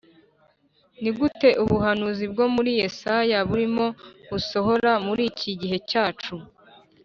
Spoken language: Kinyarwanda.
Ni gute ubuhanuzi bwo muri yesaya burimo busohora muri iki gihe cyacu